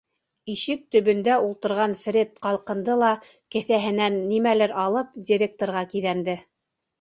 Ишек төбөндә ултырған Фред ҡалҡынды ла, кеҫәһенән нимәлер алып, директорға киҙәнде.